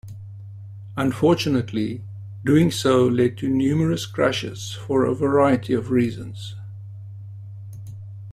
Unfortunately, doing so led to numerous crashes for a variety of reasons.